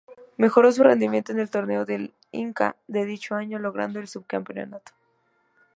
Mejoró su rendimiento en el Torneo del Inca de dicho año, logrando el subcampeonato.